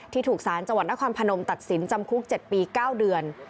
ถูกสารจังหวัดนครพนมตัดสินจำคุก๗ปี๙เดือน